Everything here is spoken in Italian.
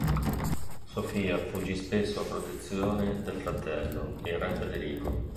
Sofia fuggì spesso a protezione del fratello, il re Federico.